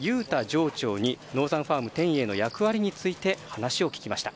場長にこのノーザンファーム天栄の役割について話を聞きました。